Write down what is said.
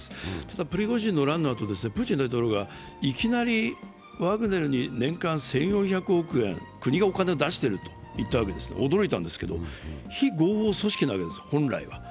ただ、プリゴジンの乱のあとプーチン大統領がいきなりワグネルに年間１４００億円、国がお金を出していると言ったわけで驚いたんですが、非合法組織なわけです、本来は。